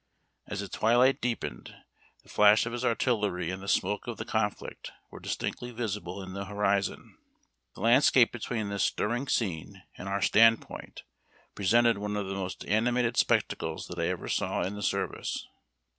As the twilight deepened, the flash of his artillery and the smoke of the conflict were distinctly visible in the horizon. The landscape between this stirring scene and our standpoint presented one of the most animated spectacles, that I ever saw in the service.